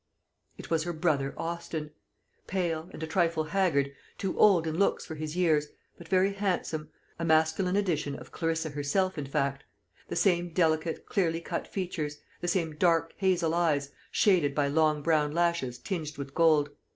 It was her brother Austin; pale and a trifle haggard, too old in looks for his years, but very handsome a masculine edition of Clarissa herself, in fact: the same delicate clearly cut features, the same dark hazel eyes, shaded by long brown lashes tinged with gold.